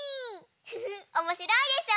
ふふおもしろいでしょ？